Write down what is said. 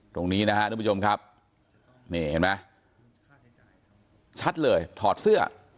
ตรงนี้นะฮะทุกผู้ชมครับนี่เห็นไหมชัดเลยถอดเสื้อ